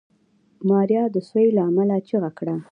ماريا د سوي له امله چيغه کړه.